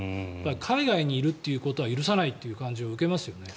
海外にいるということは許さないという感じを受けますよね。